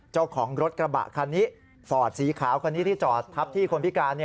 เจ้าของรถกระบะคันนี้ฝาดสีขาวที่จอดทับที่คนพิการ